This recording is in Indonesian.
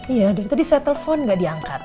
iya dari tadi saya telpon gak diangkat